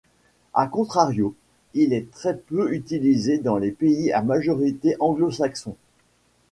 A contrario, il est très peu utilisé dans les pays à majorité anglo-saxon.